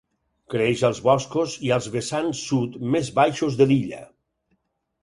Creix als boscos i als vessants sud més baixos de l'illa.